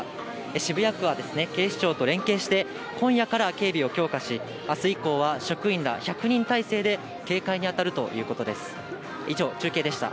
渋谷区は警視庁と連携して、今夜から警備を強化し、あす以降は職員が１００人態勢で警戒に当たるということです。